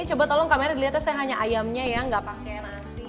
ini coba tolong kamera diliatnya saya hanya ayamnya ya gak pakai nasi